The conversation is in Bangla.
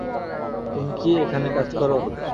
তুমি কি এখানে কাজ করো?